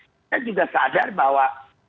kita juga sadar bahwa